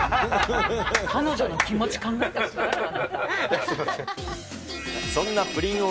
彼女の気持ち考えたことある？